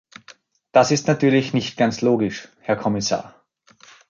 Das ist natürlich nicht ganz logisch, Herr Kommissar!